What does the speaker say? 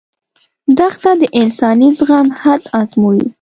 دښته د انساني زغم حد ازمويي.